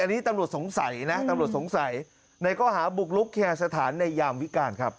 อันนี้ตำรวจสงสัยนะตำรวจสงสัยในข้อหาบุกลุกแคร์สถานในยามวิการครับ